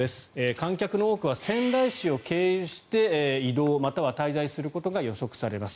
観客の多くは仙台市を経由して移動または滞在することが予測されます。